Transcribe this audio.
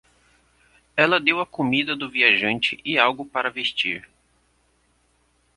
Ela deu a comida do viajante e algo para vestir.